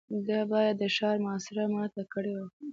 ده بايد د ښار محاصره ماته کړې وای.